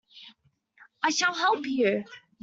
I shall help you.